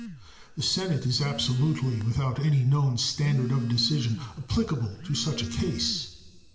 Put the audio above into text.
The Senate is absolutely without any known standard of decision applicable to such a case.